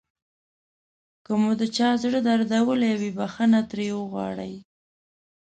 که مو د چا زړه دردولی وي بښنه ترې وغواړئ.